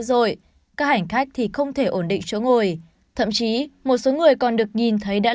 rồi các hành khách thì không thể ổn định chỗ ngồi thậm chí một số người còn được nhìn thấy đã